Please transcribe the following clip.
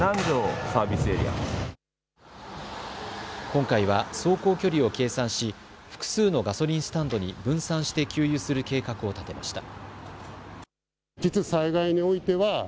今回は走行距離を計算し複数のガソリンスタンドに分散して給油する計画を立てました。